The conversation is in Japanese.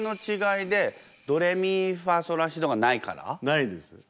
ないです。